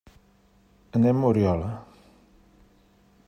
Anem a Oriola.